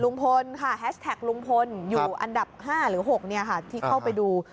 ลุงพลค่ะแฮชแท็กลุงพลอยู่อันดับ๕หรือ๖ที่เข้าไปดู